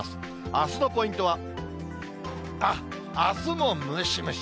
あすのポイントは、あすもムシムシ。